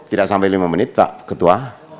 tidak sampai lima menit pak ketua